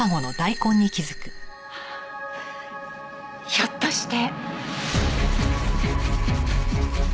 ひょっとして。